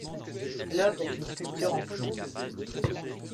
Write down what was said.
L'œuvre est une sculpture en plomb.